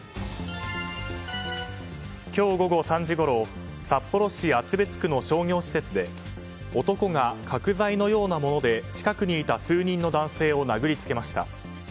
今日午後３時ごろ札幌市厚別区の商業施設で男が角材のようなもので近くにいた数人の男性を殴りつけました。